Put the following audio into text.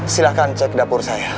silahkan cek dapur saya